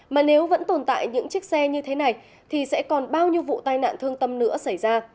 mà nếu vẫn tồn tại những chiếc xe như thế này thì sẽ còn bao nhiêu vụ tai nạn thương tâm nữa xảy ra